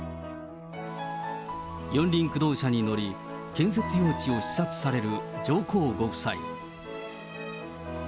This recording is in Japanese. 四輪駆動車に乗り、建設用地を視察される上皇ご夫妻。